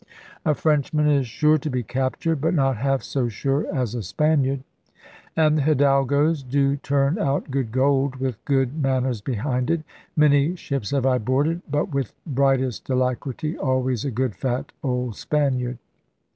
A Frenchman is sure to be captured, but not half so sure as a Spaniard; and the hidalgoes do turn out good gold, with good manners behind it. Many ships have I boarded, but with brightest alacrity always a good fat old Spaniard.